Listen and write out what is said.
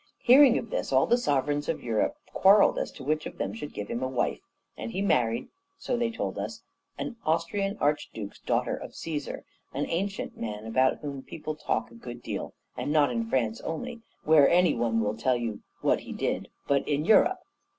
Hearing of this, all the sovereigns of Europe quarrelled as to which of them should give him a wife. And he married, so they told us, an Austrian archduchess, daughter of Cæsar, an ancient man about whom people talk a good deal, and not in France only where any one will tell you what he did but in Europe.